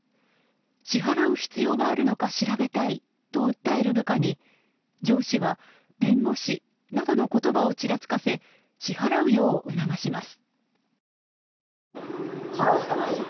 支払う必要があるのか調べたいと訴える部下に上司は弁護士などの言葉をちらつかせ支払うよう促します。